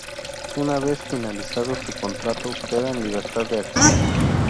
Una vez finalizado su contrato queda en libertad de acción.